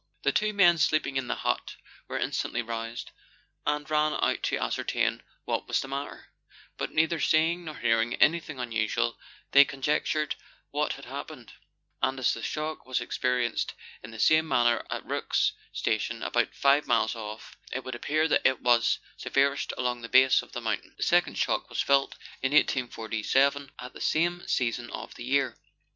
The two men sleeping in the hut were instantly roused, and ran out to ascertain what was the matter ; but neither seeing nor hearing anything unusual, they conjectured what had happened ; and as the shock was experienced in the same manner at Rourke's station, about five miles off, it would appear that it was severest along the base of the mountain. The second shock was felt in 1847, at the same season of the year.